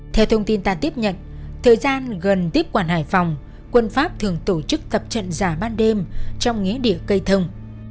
theo thông tin ta tiếp nhận thời gian gần tiếp quản hải phòng quân pháp thường tổ chức tập trận giả ban đêm trong nghé địa cây thông